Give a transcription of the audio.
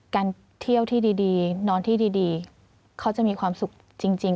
การเที่ยวที่ดีนอนที่ดีเขาจะมีความสุขจริง